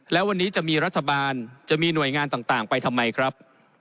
แล้ววันนี้จะมีรัฐบาลจะมีหน่วยงานต่างไปทำไมครับ